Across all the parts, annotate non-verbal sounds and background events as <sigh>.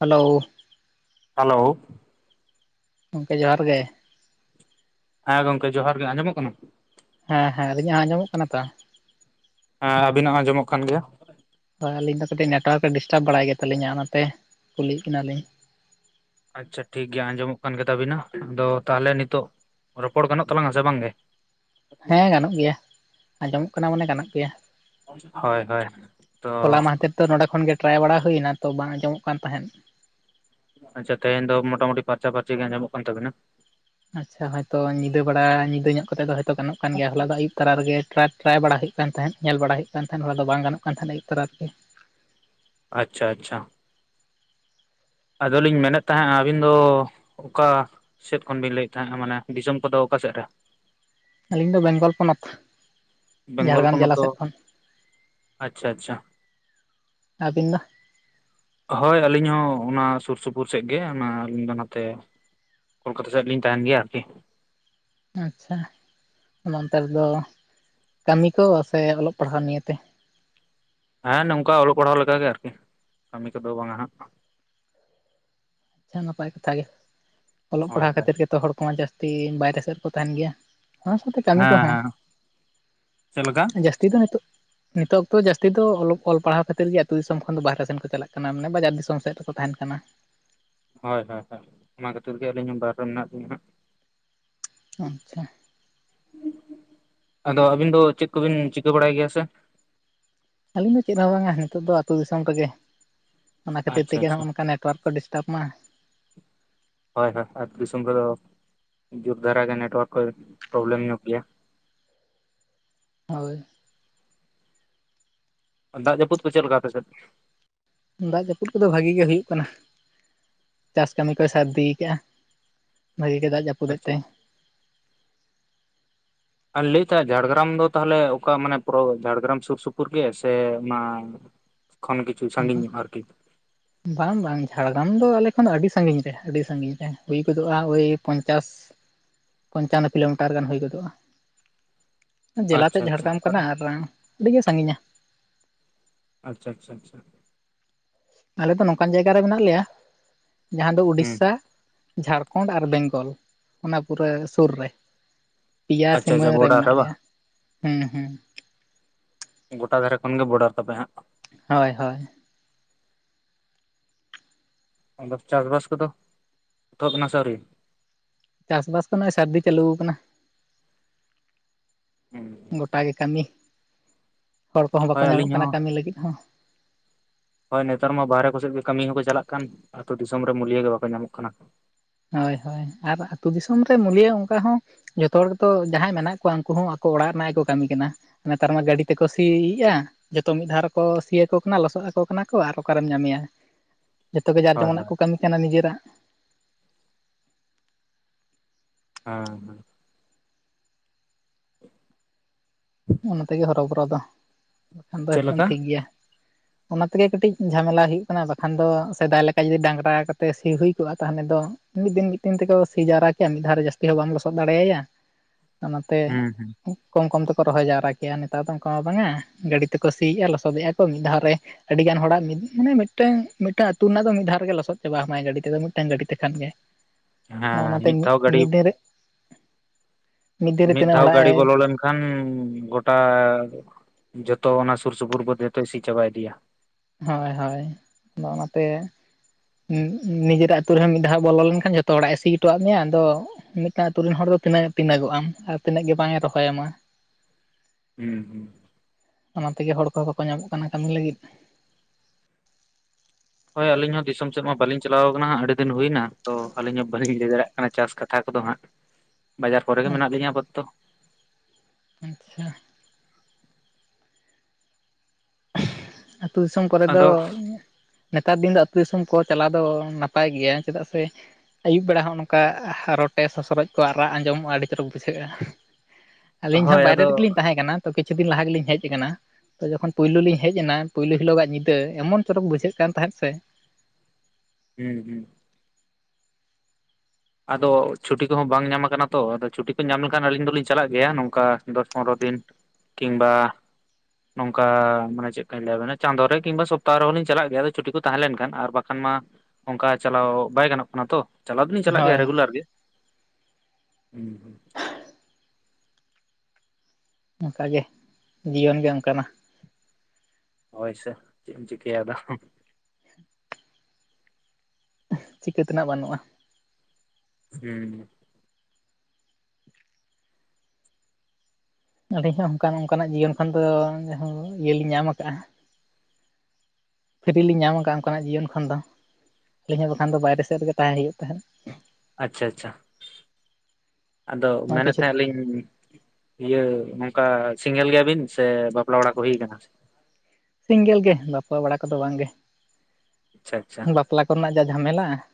Hello, hello, ᱜᱚᱢᱠᱮ ᱡᱚᱦᱟᱨ ᱜᱮ ᱾ ᱦᱮᱸ ᱜᱚᱝᱠᱮ ᱡᱚᱦᱟᱨ ᱜᱮ ᱟᱸᱡᱚᱢᱚᱜ ᱠᱟᱱᱟ? ᱦᱮᱸ ᱦᱮᱸ ᱟᱹᱞᱤᱧᱟᱜ ᱡᱚᱸ ᱟᱸᱡᱚᱢᱚᱜ ᱠᱟᱱᱟ ᱛᱚ? ᱦᱮᱸ ᱟᱵᱤᱱᱟᱜ ᱦᱚᱸ ᱟᱸᱡᱚᱢᱚᱜ ᱠᱟᱱ ᱜᱮᱭᱟ᱾ ᱦᱳᱭ ᱟᱹᱞᱤᱧ ᱫᱚ ᱠᱟᱹᱴᱤᱡ ᱱᱮᱴᱣᱟᱨᱠ-ᱮ ᱰᱤᱥᱴᱟᱵᱽ ᱵᱟᱲᱟᱭ ᱜᱮ ᱛᱟᱞᱤᱧᱟ ᱚᱱᱟ ᱛᱮ ᱠᱩᱞᱤᱭᱮᱫ ᱠᱤᱱᱟᱞᱤᱧ? ᱟᱪᱪᱷᱟ ᱴᱷᱤᱠ ᱜᱮᱭᱟ ᱟᱸᱡᱚᱢᱚᱜ ᱠᱟᱱ ᱜᱮ ᱛᱟᱵᱤᱱᱟ, ᱟᱫᱚ ᱛᱟᱦᱚᱞᱮ ᱱᱤᱛᱳᱜ ᱨᱚᱯᱚᱲ ᱜᱟᱱᱚᱜ ᱛᱟᱞᱟᱝᱟ ᱥᱮ ᱵᱟᱝ ᱜᱮ? ᱦᱮᱸ ᱜᱟᱱᱚᱜ ᱜᱮᱭᱟ᱾ ᱟᱸᱡᱚᱢᱚᱜ ᱠᱟᱱᱟ ᱢᱟᱱᱮ ᱜᱟᱱᱚᱜ ᱯᱮᱭᱟ, ᱦᱳᱭ ᱦᱳᱭ ᱛᱚ ᱦᱚᱞᱟ ᱢᱟᱦᱫᱷᱮᱨ ᱛᱚ ᱱᱚᱰᱮ ᱠᱷᱚᱱ ᱜᱮ ᱴᱨᱟᱭ ᱵᱟᱲᱟ ᱦᱩᱭᱱᱟ ᱛᱚ ᱵᱟᱝ ᱟᱸᱚᱢᱚᱜ ᱠᱟᱱ ᱛᱟᱦᱮᱸᱫ᱾ ᱟᱪᱪᱷᱟ ᱛᱮᱦᱮᱧ ᱫᱚ ᱢᱚᱴᱟᱢᱩᱴᱤ ᱯᱷᱟᱨᱪᱟ ᱯᱷᱟᱨᱪᱤ ᱜᱮ ᱟᱸᱚᱢᱚᱜ ᱠᱟᱱ ᱛᱟᱵᱤᱱᱟ᱾ ᱟᱪᱪᱷᱟ ᱦᱚᱭᱛᱚ ᱧᱤᱫᱟᱹ ᱵᱮᱲᱟ ᱧᱤᱫᱟᱹ ᱧᱚᱜ ᱠᱟᱛᱮ ᱫᱚ ᱦᱚᱭᱛᱚ ᱜᱟᱱᱚᱜ ᱠᱟᱱ ᱜᱮᱭᱟ ᱦᱚᱞᱟ ᱫᱚ ᱟᱹᱭᱩᱵ ᱛᱟᱨᱟ ᱨᱮᱜᱮ ᱴᱨᱟᱭ ᱴᱨᱟᱭ ᱵᱟᱲᱟ ᱦᱩᱭᱩᱜ ᱠᱟᱱ ᱛᱟᱦᱮᱸᱫ ᱧᱮᱞ ᱵᱟᱲᱟ ᱦᱩᱭᱩᱜ ᱠᱟᱱ ᱛᱟᱦᱮᱸᱫ, ᱦᱚᱞᱟ ᱫᱚ ᱵᱟᱝ ᱜᱟᱱᱚᱜ ᱠᱟᱱ ᱛᱟᱦᱮᱸᱫ ᱟᱹᱭᱩᱵ ᱛᱟᱨᱟ <inaudible> ᱟᱪᱪᱷᱟ ᱟᱪᱪᱷᱟ᱾ ᱟᱫᱚᱞᱤᱧ ᱢᱮᱱᱮᱫ ᱛᱟᱦᱮᱸᱜ-ᱟ ᱟᱵᱤᱱ ᱫᱚ ᱚᱠᱟ ᱥᱮᱫ ᱠᱷᱚᱱ ᱵᱤᱱ ᱞᱟᱹᱭᱮᱫ ᱛᱟᱦᱮᱸᱜᱼᱟ, ᱢᱟᱱᱮ ᱫᱤᱥᱚᱢ ᱠᱚᱫᱚ ᱚᱠᱟ ᱥᱮᱫ ᱨᱮ? ᱟᱹᱞᱤᱧ ᱫᱚ ᱵᱮᱝᱜᱚᱞ ᱯᱚᱱᱚᱛ᱾ ᱵᱮᱝᱜᱚᱞ ᱡᱷᱟᱲᱜᱟᱢ ᱯᱚᱱᱚᱛ ᱡᱮᱞᱟ ᱫᱚ ᱥᱮᱫ ᱠᱷᱚᱱ, ᱟᱪᱪᱷᱟ ᱟᱪᱪᱷᱟ ᱟᱹᱵᱤᱱ ᱫᱚ? ᱦᱳᱭ ᱟᱹᱞᱤᱧ ᱦᱚᱸ ᱚᱱᱟ ᱥᱩᱨ ᱥᱩᱯᱩᱨ ᱥᱮᱫ ᱜᱮ, ᱚᱱᱟ ᱟᱹᱞᱤᱧ ᱫᱚ ᱱᱟᱛᱮ ᱠᱳᱞᱠᱟᱛᱟ ᱥᱮᱫ ᱨᱮᱞᱤᱧ ᱛᱟᱦᱮᱱ ᱜᱮᱭᱟ ᱟᱨᱠᱤ᱾ ᱟᱪᱪᱷᱟ ᱚᱱᱟ ᱚᱱᱛᱮ ᱨᱮᱫᱚ ᱠᱟᱹᱢᱤ ᱠᱚ ᱥᱮ ᱚᱞᱚᱜ ᱯᱟᱲᱦᱟᱣ ᱱᱤᱭᱟᱹ ᱛᱮ? ᱦᱮᱸ ᱱᱚᱝᱠᱟ ᱚᱞᱚᱜ ᱯᱟᱲᱦᱟᱣ ᱞᱮᱠᱟ ᱜᱮ ᱟᱨᱡᱤ ᱠᱟᱹᱢᱤ ᱠᱚᱫᱚ ᱵᱟᱝᱟ ᱦᱟᱸᱜ᱾ ᱪᱷᱟ ᱱᱟᱯᱟᱭ ᱠᱟᱛᱷᱟ ᱜᱮ, ᱚᱞᱚᱜ ᱦᱳᱭ ᱯᱟᱲᱦᱟᱣ ᱠᱷᱟᱹᱛᱤᱨ ᱜᱮᱛᱚ ᱦᱚᱲ ᱠᱚᱢᱟ ᱡᱟᱹᱥᱛᱤ ᱵᱟᱭᱨᱮ ᱥᱮᱫ ᱨᱮᱠᱚ ᱛᱟᱦᱮᱱ ᱜᱮᱭᱟ᱾ ᱚᱱᱟ ᱥᱟᱶᱛᱮ ᱠᱟᱹᱢᱤ ᱦᱮᱸ ᱠᱚᱦᱚᱸ, ᱦᱮᱸ ᱪᱮᱫ ᱞᱮᱠᱟ? ᱡᱟᱹᱥᱛᱤ ᱫᱚ ᱱᱤᱛᱳᱜ ᱱᱤᱛᱳᱜ ᱚᱠᱛᱚ ᱡᱟᱹᱥᱛᱤ ᱫᱚ ᱚᱞᱚᱜ ᱚᱞ ᱯᱟᱲᱦᱟᱣ ᱠᱷᱛᱤᱨ ᱜᱮ ᱟᱹᱛᱩ ᱫᱤᱥᱚᱢ ᱠᱷᱚᱱ ᱫᱚ ᱵᱟᱦᱨᱮ ᱥᱮᱱ ᱠᱚ ᱪᱟᱞᱟᱜ ᱠᱟᱱᱟ ᱢᱟᱱᱮ ᱵᱟᱡᱟᱨ ᱫᱤᱥᱚᱢ ᱥᱮᱫ ᱨᱮᱠᱚ ᱛᱟᱦᱮᱱ ᱠᱟᱱᱟ᱾ ᱦᱚᱭ ᱦᱚᱭ ᱦᱚᱭ, ᱚᱱᱟ ᱠᱷᱟᱹᱛᱤᱨ ᱜᱮ ᱟᱹᱞᱤᱧ ᱦᱚᱸ ᱵᱟᱭᱨᱮ ᱨᱮ ᱢᱮᱱᱟᱜ ᱞᱤᱧᱟ ᱦᱟᱸᱜ᱾ ᱚᱱᱪᱷᱟ᱾ ᱟᱫᱚ ᱟᱹᱵᱤᱱ ᱫᱚ ᱪᱮᱫ ᱠᱚᱵᱤᱱ ᱪᱤᱠᱟᱹ ᱵᱟᱲᱟᱭ ᱜᱮᱭᱟ ᱥᱮ? ᱟᱹᱞᱤᱧ ᱫᱚ ᱪᱮᱫ ᱦᱚᱸ ᱵᱟᱝᱟ, ᱱᱤᱛᱳᱜ ᱫᱚ ᱟᱹᱛᱳ ᱫᱤᱥᱚᱢ ᱨᱮᱜᱮ, ᱚᱱᱟ ᱠᱷᱟᱹᱛᱤᱨ ᱟᱪᱪᱷᱟ ᱛᱮᱜᱮ ᱦᱚᱸᱜᱼᱚ ᱟᱪᱪᱷᱟ ᱱᱚᱝᱠᱟ ᱱᱮᱴ ᱴᱚᱣᱟᱨᱠ ᱠᱚ ᱰᱤᱥᱴᱟᱵᱽ ᱢᱟ᱾ ᱦᱳᱭ ᱦᱳᱭ ᱟᱹᱛᱩ ᱫᱤᱥᱚᱢ ᱨᱮᱫᱚ ᱡᱳᱨ ᱫᱷᱟᱨᱟ ᱜᱮ ᱱᱮᱴᱚᱣᱟᱨᱠ ᱠᱚᱭ ᱯᱨᱚᱵᱞᱮᱢ ᱧᱚᱜ ᱜᱮᱭᱟ᱾ ᱦᱳᱭ᱾ ᱫᱟᱜ ᱡᱟᱹᱯᱩᱫ ᱠᱚ ᱪᱮᱫ ᱞᱮᱠᱟ ᱟᱯᱮ ᱥᱮᱫ? ᱫᱟᱜ ᱡᱟᱹᱯᱩᱫ ᱠᱚᱫᱚ ᱵᱷᱟᱜᱮ ᱜᱮ ᱦᱩᱭᱩᱜ ᱠᱟᱱᱟ᱾ ᱪᱟᱥ ᱠᱟᱹᱢᱤ ᱠᱚᱭ ᱥᱟᱨᱤᱫᱤ ᱠᱟᱜᱼᱟ, ᱵᱷᱟᱜᱮ ᱜᱮ ᱫᱟᱜ ᱡᱟᱹᱯᱩᱫᱮᱫ ᱟᱪᱪᱷᱟ ᱛᱮᱭ᱾ ᱟᱨ ᱞᱮᱭᱮᱫ ᱛᱟᱦᱮᱸᱫ ᱡᱷᱟᱲᱜᱨᱟᱢ ᱫᱚ ᱛᱟᱦᱚᱞᱮ ᱚᱠᱟ ᱢᱟᱱᱮ ᱯᱨᱳ ᱡᱷᱟᱲᱜᱨᱟᱢ ᱥᱩᱨ ᱥᱩᱯᱩᱨ ᱜᱮ ᱥᱮ ᱚᱱᱟ ᱠᱷᱚᱱ ᱠᱤᱪᱷᱩ ᱥᱟᱺᱜᱤᱧ ᱧᱚᱜ ᱟᱨᱠᱤ, ᱵᱟᱝ ᱵᱟᱝ ᱡᱷᱟᱲᱜᱨᱟᱢ ᱫᱚ ᱟᱞᱮ ᱠᱷᱚᱱ ᱫᱚ ᱟᱹᱰᱤ ᱥᱟᱺᱜᱤᱧ ᱨᱮ ᱟᱹᱰᱤ ᱥᱟᱺᱷᱤᱧ ᱨᱮ ᱦᱩᱭ ᱜᱚᱫᱚᱜᱼᱟ ᱳᱭ ᱯᱚᱧᱪᱟᱥ, <unintelligible> ᱯᱚᱧᱪᱟᱱᱱᱚ ᱠᱤᱞᱳᱢᱤᱴᱟᱨ ᱜᱟᱱ ᱦᱩᱭ ᱜᱚᱫᱚᱜᱼᱟ᱾ ᱡᱮᱞᱟ ᱟᱪᱪᱷᱟ ᱛᱮᱫ ᱟᱪᱪᱷᱟ ᱡᱷᱟᱲᱜᱨᱟᱢ ᱠᱟᱱᱟ ᱟᱨ ᱟᱹᱰᱤ ᱜᱮ ᱥᱟᱺᱜᱤᱧᱟ᱾ ᱟᱪᱪᱷᱟ ᱪᱷᱟ ᱪᱷᱟ᱾ ᱟᱞᱮ ᱫᱚ ᱱᱚᱝᱠᱟᱱ ᱡᱟᱭᱜᱟ ᱨᱮ ᱢᱮᱱᱟᱜ ᱞᱮᱭᱟ, ᱡᱟᱦᱟᱸ ᱫᱚ ᱦᱩᱸ ᱩᱰᱤᱥᱥᱟ, ᱡᱷᱟᱲᱠᱷᱚᱱᱰ ᱟᱨ ᱵᱮᱝᱜᱚᱞ ᱚᱱᱟ ᱯᱩᱨᱟᱹ ᱥᱩᱨ ᱨᱮ᱾ ᱯᱮᱭᱟ ᱟᱪᱪᱷᱟ ᱥᱤᱢᱟᱹ ᱟᱪᱪᱷᱟ ᱨᱮ ᱵᱚᱰᱟᱨ ᱢᱮᱱᱟᱜ ᱞᱮᱭᱟ, ᱦᱩᱸ ᱦᱩᱸ᱾ ᱜᱚᱴᱟ ᱫᱷᱟᱨᱮ ᱠᱷᱚᱱ ᱜᱮ ᱵᱚᱰᱟᱨ ᱛᱟᱯᱮ ᱦᱟᱸᱜ᱾ ᱦᱚᱭ ᱦᱚᱭ᱾ ᱟᱫᱚ ᱪᱟᱥᱵᱟᱥ ᱠᱚᱫᱚ, ᱮᱛᱚᱦᱚᱵ ᱮᱱᱟ ᱥᱮ ᱟᱹᱣᱨᱤ? ᱪᱟᱥᱵᱟᱥ ᱠᱚ ᱱᱚᱜᱼᱚᱭ ᱥᱟᱹᱨᱫᱤ ᱪᱟᱹᱞᱩᱣ ᱠᱟᱱᱟ᱾ ᱜᱚᱴᱟ ᱜᱮ ᱠᱟᱹᱢᱤ ᱦᱚᱲ ᱠᱚᱦᱚᱸ ᱵᱟᱠᱚ ᱦᱳᱭ ᱧᱟᱢᱚᱜ ᱟᱹᱞᱤᱧ ᱦᱚᱸ ᱠᱟᱱᱟ ᱠᱟᱹᱢᱤ ᱞᱟᱹᱜᱤᱫ ᱦᱚᱸ᱾ ᱦᱳᱭ ᱱᱮᱛᱟᱨ ᱢᱟ ᱵᱟᱦᱨᱮ ᱠᱚᱥᱮᱫ ᱜᱮ ᱠᱟᱹᱢᱤ ᱦᱚᱸᱠᱚ ᱪᱟᱞᱟᱜ ᱠᱟᱱ, ᱟᱛᱳ ᱫᱤᱥᱚᱢ ᱨᱮ ᱢᱩᱞᱭᱟᱹ ᱜᱮ ᱵᱟᱠᱚ ᱧᱟᱢᱚᱜ ᱠᱟᱱᱟ᱾ ᱦᱳᱭ ᱦᱳᱭ ᱟᱨ ᱟᱛᱩ ᱫᱤᱥᱚᱢ ᱨᱮ ᱢᱩᱞᱤᱭᱟᱹ ᱚᱱᱠᱟ ᱦᱚᱸ ᱡᱷᱚᱛᱚ ᱦᱚᱲ ᱜᱮᱛᱚ ᱡᱟᱦᱟᱸᱭ ᱢᱮᱱᱟᱜ ᱠᱚᱣᱟ ᱩᱱᱠᱩ ᱦᱚᱸ ᱟᱠᱚ ᱚᱲᱟᱜ ᱨᱮᱱᱟᱜ ᱜᱮ ᱠᱚ ᱠᱟᱹᱢᱤ ᱠᱟᱱᱟ᱾ ᱱᱮᱛᱟᱨ ᱢᱟ ᱜᱟᱰᱤ ᱛᱮ ᱠᱚ ᱥᱤᱭᱮᱜᱼᱟ᱾ ᱡᱚᱛᱚ ᱢᱤᱫ ᱫᱷᱟᱣ ᱨᱮᱠᱚ ᱥᱤᱭ ᱟᱠᱚ ᱠᱟᱱᱟ, ᱞᱚᱥᱚᱫ ᱟᱠᱚ ᱠᱟᱱᱟ ᱠᱚ ᱟᱨ ᱚᱠᱟᱨᱮᱢ ᱧᱟᱢᱮᱭᱟ᱾ ᱡᱚᱛᱚ ᱜᱮ ᱡᱟᱨ ᱦᱳᱭ ᱡᱚᱢᱚᱱᱟᱜ ᱦᱳᱭ ᱠᱚ ᱠᱟᱹᱢᱤ ᱠᱟᱱᱟ ᱱᱤᱡᱮᱨᱟᱜ᱾ ᱦᱮᱸ ᱦᱮᱸ᱾ <inaudible> ᱚᱱᱟ ᱛᱮᱜᱮ ᱦᱚᱨᱚᱵᱚᱨᱚ ᱫᱚ ᱵᱟᱠᱷᱟᱱ ᱫᱚ ᱪᱮᱫ ᱮᱠᱫᱚᱢ ᱞᱮᱠᱟ ᱴᱷᱤᱠ ᱜᱮᱭᱟ᱾ ᱚᱱᱟ ᱛᱮᱜᱮ ᱠᱟᱹᱴᱤᱡ ᱡᱷᱟᱢᱮᱞᱟ ᱦᱩᱭᱩᱜ ᱠᱟᱱᱟ ᱵᱟᱠᱷᱟᱱ ᱫᱚ ᱥᱮᱫᱟᱭ ᱞᱮᱠᱟ ᱡᱩᱫᱤ ᱰᱟᱝᱨᱟ ᱠᱟᱛᱮ ᱥᱤ ᱦᱩᱭ ᱠᱚᱜᱼᱟ ᱛᱟᱦᱚᱞᱮ ᱫᱚ ᱢᱤᱫ ᱫᱤᱱ ᱢᱤᱫ ᱫᱤᱱ ᱛᱮᱠᱚ ᱥᱤ ᱡᱟᱣᱨᱟ ᱠᱮᱭᱟ ᱢᱤᱫ ᱫᱷᱟᱣ ᱨᱮ ᱡᱟᱹᱥᱛᱤ ᱦᱚᱸ ᱵᱟᱢ ᱞᱚᱥᱚᱫ ᱫᱟᱲᱮᱭᱟᱭᱟ᱾ ᱚᱱᱟᱛᱮ ᱦᱩᱸ ᱦᱩᱸ ᱠᱚᱢ ᱠᱚᱢ ᱛᱮ ᱠᱚ ᱨᱚᱦᱚᱭ ᱡᱟᱣᱨᱟ ᱠᱮᱭᱼᱟ ᱱᱮᱛᱟᱨ ᱫᱚ ᱚᱱᱠᱟ ᱢᱟ ᱵᱟᱝᱟ᱾ ᱜᱟᱹᱰᱤ ᱛᱮᱠᱚ ᱥᱤᱭᱮᱫᱼᱟ ᱞᱚᱥᱚᱫᱮᱜᱼᱟ ᱠᱚ ᱢᱤᱫ ᱫᱷᱟᱣ ᱨᱮ᱾ ᱟᱹᱰᱤ ᱜᱟᱱ ᱦᱚᱲᱟᱜ ᱢᱤᱫ ᱠᱷᱟᱱᱮ ᱢᱤᱫᱴᱟᱹᱝ ᱢᱤᱫᱴᱟᱝ ᱟᱹᱛᱩ ᱨᱮᱱᱟᱜ ᱫᱚ ᱢᱤᱫ ᱫᱷᱟᱣ ᱨᱮᱜᱮ ᱞᱚᱥᱚᱫ ᱪᱟᱵᱟᱭ ᱦᱟᱢᱟᱭ ᱜᱟᱹᱰᱤ ᱛᱮᱫᱚ ᱢᱤᱫᱴᱟᱝ ᱜᱟᱹᱰᱤ ᱛᱮᱠᱷᱟᱱ ᱜᱮ᱾ ᱦᱮᱸ ᱚᱱᱟᱛᱮ ᱢᱤᱫ ᱫᱷᱟᱣ ᱜᱟᱹᱰᱤ ᱢᱤᱫ ᱫᱤᱱ ᱨᱮ ᱫᱤᱱ ᱨᱮ ᱢᱤᱫ ᱛᱤᱱᱟᱹᱜ ᱫᱷᱟᱣ ᱦᱚᱲᱟᱜ ᱜᱟᱰᱤ ᱮ ᱵᱚᱞᱚ ᱞᱮᱱ ᱠᱷᱟᱱ ᱜᱚᱴᱟ ᱡᱚᱛᱚ ᱚᱱᱟ ᱥᱩᱨ ᱥᱩᱯᱩᱨ ᱠᱚ ᱡᱚᱛᱚ ᱤᱥᱤ ᱪᱟᱵᱟ ᱤᱫᱤᱭᱟ᱾ ᱦᱳᱭ ᱦᱳᱭ ᱟᱫᱚ ᱚᱱᱟᱛᱮ ᱦᱩᱸ ᱱᱤᱡᱮᱨᱟᱜ ᱟᱛᱳ ᱨᱮᱦᱚᱸ ᱢᱤᱫ ᱫᱷᱟᱣ ᱵᱚᱞᱚ ᱞᱮᱱᱠᱷᱟᱱ ᱡᱷᱚᱛᱚ ᱦᱚᱲᱟᱜ ᱮ ᱥᱤ ᱦᱚᱴᱚᱫ ᱢᱮᱭᱟ ᱟᱫᱚ ᱢᱤᱫᱴᱟᱝ ᱨᱮᱱ ᱟᱛᱳ ᱨᱮᱱ ᱦᱚᱲ ᱫᱚ ᱛᱤᱱᱟᱹᱜ ᱜᱮ ᱛᱤᱱᱟᱹᱜᱚᱜ-ᱟ ᱟᱨ ᱛᱤᱱᱟᱹᱜ ᱜᱮ ᱵᱟᱝ ᱮ ᱨᱚᱦᱚᱭ ᱟᱢᱟ᱾ ᱦᱩᱸ ᱦᱩᱸ᱾ ᱚᱱᱟ ᱛᱮᱜᱮ ᱦᱚᱲ ᱠᱚ ᱵᱟᱠᱚ ᱧᱟᱢᱚᱜ ᱠᱟᱱᱟ ᱠᱟᱹᱢᱤ ᱞᱟᱹᱜᱤᱫ᱾ ᱦᱳᱭ ᱟᱹᱞᱤᱧ ᱦᱚᱸ ᱫᱤᱥᱚᱢ ᱥᱮᱫ ᱢᱟ ᱵᱟᱹᱞᱤᱧ ᱪᱟᱞᱟᱣ ᱠᱟᱱᱟ ᱦᱟᱸᱜ ᱟᱹᱰᱤ ᱫᱤᱱ ᱦᱩᱭᱱᱟ᱾ ᱛᱚ ᱟᱹᱞᱤᱧ ᱦᱚᱸ ᱵᱟᱹᱞᱤᱧ ᱞᱟᱹᱭ ᱫᱟᱲᱮᱭᱟᱜ ᱠᱟᱱᱟ ᱪᱟᱥ ᱠᱟᱛᱷᱟ ᱠᱚᱫᱚ ᱦᱟᱸᱜ ᱵᱟᱡᱟᱨ ᱠᱚᱨᱮ ᱜᱮ ᱢᱮᱱᱟᱜ ᱞᱤᱧᱟᱹ ᱟᱯᱟᱛᱚᱛᱚ᱾ ᱟᱪᱪᱷᱟ᱾ ᱟᱹᱛᱩ ᱫᱤᱥᱚᱢ ᱠᱚᱨᱮ ᱫᱚ ᱟᱫᱚ ᱱᱮᱛᱟᱨ ᱫᱤᱱ ᱫᱚ ᱟᱹᱛᱩ ᱫᱤᱥᱚᱢ ᱠᱚ ᱪᱟᱞᱟᱣ ᱫᱚ ᱱᱟᱯᱟᱭ ᱜᱮᱭᱟ ᱪᱮᱫᱟᱜ ᱥᱮ ᱟᱹᱭᱩᱵ ᱵᱮᱲᱟ ᱦᱚᱸᱜ-ᱚ ᱱᱚᱝᱠᱟ ᱨᱚᱴᱮ ᱥᱚᱥᱚᱨᱚᱡ ᱠᱚᱣᱟᱜ ᱨᱟᱜ ᱟᱸᱡᱚᱢᱚᱜᱼᱟ ᱟᱹᱰᱤ ᱪᱚᱨᱚᱠ ᱵᱩᱡᱷᱟᱹᱜᱼᱟ᱾ <inaudible> ᱟᱹᱞᱤᱧ ᱦᱚᱸ ᱵᱟᱭᱨᱮ ᱟᱫᱚ ᱨᱮᱜᱮᱞᱤᱧ ᱛᱟᱦᱮᱸ ᱠᱟᱱᱟ ᱛᱚ ᱠᱤᱪᱷᱩ ᱫᱤᱱ ᱞᱟᱦᱟ ᱜᱮᱞᱤᱧ ᱦᱮᱡ ᱟᱠᱟᱱᱟ, ᱛᱚ ᱡᱚᱠᱷᱚᱱ ᱯᱩᱭᱞᱳ ᱞᱤᱧ ᱦᱮᱡ ᱮᱱᱟ ᱯᱳᱭᱞᱳ ᱦᱤᱞᱳᱜᱟᱜ ᱧᱤᱫᱟᱹ ᱮᱢᱚᱱ ᱪᱚᱨᱚᱠ ᱵᱩᱡᱷᱟᱹᱜ ᱠᱟᱱ ᱛᱟᱦᱮᱸᱫ ᱥᱮ ᱦᱩᱸ ᱦᱩᱸ᱾ ᱟᱫᱚ ᱪᱷᱩᱴᱤ ᱠᱚᱦᱚᱸ ᱵᱟᱝ ᱧᱟᱢ ᱠᱟᱱᱟ ᱛᱚ᱾ ᱟᱫᱚ ᱪᱷᱩᱴᱤ ᱠᱚ ᱧᱟᱢ ᱞᱮᱠᱷᱟᱱ ᱟᱹᱞᱤᱧ ᱫᱚᱞᱤᱧ ᱪᱟᱞᱟᱜ ᱜᱮᱭᱟ ᱱᱚᱝᱠᱟ ᱫᱚᱥ ᱯᱚᱱᱨᱚ ᱫᱤᱱ ᱠᱤᱝᱵᱟ ᱱᱚᱝᱠᱟ ᱢᱟᱱᱮ ᱪᱮᱫᱞᱮᱠᱟᱧ ᱞᱟᱹᱭᱟᱵᱮᱱᱟ ᱪᱟᱸᱫᱳ ᱨᱮ ᱠᱤᱝᱵᱟ ᱥᱚᱯᱛᱟᱦᱚ ᱨᱮᱦᱚᱸᱞᱤᱧ ᱪᱟᱞᱟᱜ ᱜᱮᱭᱟ ᱟᱫᱚ ᱪᱷᱩᱴᱤ ᱠᱚ ᱛᱟᱦᱮᱸ ᱞᱮᱱᱠᱷᱟᱱ ᱟᱨ ᱵᱟᱠᱷᱟᱱ ᱢᱟ ᱚᱱᱠᱟ ᱪᱟᱞᱟᱣ ᱵᱟᱭ ᱜᱟᱱᱚᱜ ᱠᱟᱱᱟ ᱛᱚ ᱪᱟᱞᱟᱣ ᱫᱩᱞᱤᱧ ᱪᱟᱞᱟᱜ ᱜᱮᱭᱟ ᱦᱳᱭ ᱨᱮᱜᱩᱞᱟᱨ ᱜᱮ᱾ ᱦᱩᱸ᱾ ᱚᱱᱠᱟ ᱜᱮ ᱡᱤᱭᱚᱱ ᱜᱮ ᱚᱱᱠᱟᱱᱟ᱾ ᱦᱳᱭ ᱥᱚ ᱪᱮᱫ ᱮᱢ ᱪᱤᱠᱟᱹᱭᱟ ᱟᱫᱚ᱾ ᱪᱤᱠᱟᱹ ᱛᱮᱱᱟᱜ ᱵᱟᱹᱱᱩᱜᱼᱟ᱾ ᱦᱩᱸ᱾ ᱟᱹᱞᱤᱧ ᱦᱚᱸ ᱚᱱᱠᱟ ᱱᱚᱝᱠᱟᱱᱟᱜ ᱡᱤᱭᱚᱱ ᱠᱷᱚᱱ ᱫᱚ ᱡᱟᱦᱚ ᱤᱭᱟᱹᱞᱤᱧ ᱧᱟᱢ ᱟᱠᱟᱜᱼᱟ᱾ ᱯᱷᱨᱤᱞᱤᱧ ᱧᱟᱢ ᱟᱠᱟᱫᱼᱟ ᱚᱱᱠᱟᱱᱟᱜ ᱡᱤᱭᱚᱱ ᱠᱷᱚᱱ ᱫᱚ᱾ ᱟᱹᱞᱤᱧ ᱦᱚᱸ ᱵᱟᱠᱷᱟᱱ ᱫᱚ ᱵᱟᱭᱨᱮ ᱥᱮᱫ ᱨᱮᱜᱮ ᱛᱟᱦᱮᱸ ᱦᱩᱭᱩᱜ ᱛᱟᱦᱮᱸᱫ᱾ ᱟᱪᱪᱷᱟ ᱟᱪᱪᱷᱟ ᱟᱫᱚ ᱱᱚᱜᱼᱚᱭ ᱢᱮᱱᱮᱫ ᱠᱤᱪᱷᱩ ᱛᱟᱦᱮᱫ ᱞᱤᱧ ᱤᱭᱟᱹ ᱱᱚᱝᱠᱟ ᱥᱤᱸᱝᱜᱮᱞ ᱜᱮᱭᱟᱵᱤᱱ ᱥᱮ ᱵᱟᱯᱞᱟ ᱵᱟᱲᱟ ᱠᱚ ᱦᱩᱭ ᱠᱟᱱᱟ? ᱥᱤᱸᱝᱜᱮᱞ ᱜᱮ ᱵᱟᱯᱞᱟ ᱵᱟᱲᱟ ᱠᱚᱫᱚ ᱵᱟᱝᱜᱮ ᱾ ᱟᱪᱪᱷᱟ ᱟᱪᱪᱷᱟ ᱾ ᱵᱟᱯᱞᱟ ᱠᱚᱨᱮᱱᱟᱜ ᱡᱟ ᱡᱷᱟᱢᱮᱞᱟ,